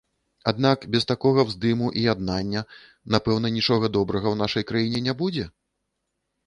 Аднак без такога ўздыму і яднання, напэўна, нічога добрага ў нашай краіне не будзе?